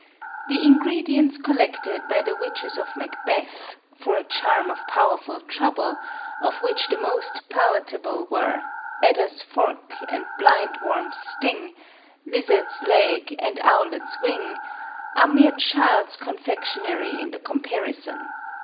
The ingredients collected by the Witches of Macbeth " for a charm of powerful trouble," of which the most palatable were " Adder's fork and blind worm's sting, . Lizard's leg and owlet's wing," — are mere child's confectionery in the comparison.